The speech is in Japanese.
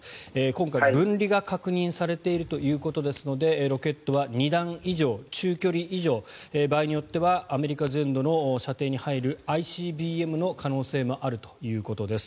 今回、分離が確認されているということですのでロケットは２段以上、中距離以上場合によってはアメリカ全土の射程に入るＩＣＢＭの可能性もあるということです。